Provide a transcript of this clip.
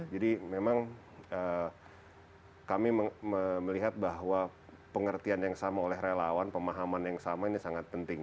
jadi memang kami melihat bahwa pengertian yang sama oleh relawan pemahaman yang sama ini sangat penting